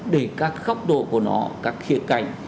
để các góc độ của nó các khía cạnh